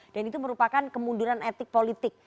dan itu merupakan kemunduran etik politik